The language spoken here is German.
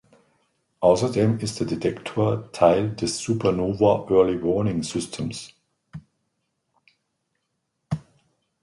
Außerdem ist der Detektor Teil des Supernova Early Warning Systems.